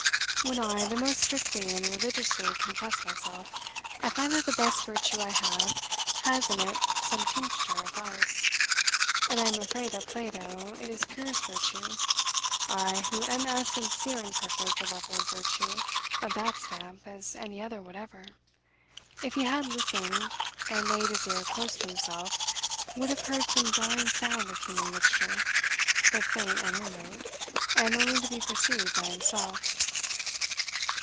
"When I the most strictly and religiously confess myself, I find that the best virtue I have has in it some tincture of vice; and I am afraid that Plato, in his purest virtue (I, who am as sincere and perfect a lover of virtue of that stamp as any other whatever), if he had listened, and laid his ear close to himself, would have heard some jarring sound of human mixture; but faint and remote, and only to be perceived by himself."